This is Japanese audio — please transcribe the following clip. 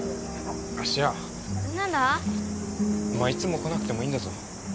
お前いつも来なくてもいいんだぞ。